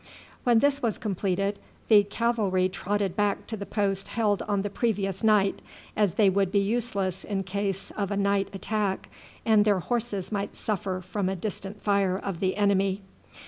When this was completed the cavalry trotted back to the post held on the previous night, as they would be useless in case of a night attack, and their horses might suffer from a distant fire of the enemy.